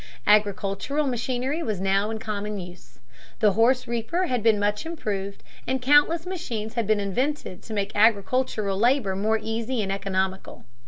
Agricultural machinery was now in common use. The horse reaper had been much improved, and countless machines had been invented to make agricultural labor more easy and economical.